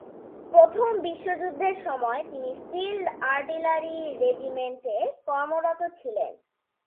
প্রথম বিশ্বযুদ্ধের সময় তিনি ফিল্ড আর্টিলারি রেজিমেন্টে কর্মরত ছিলেন।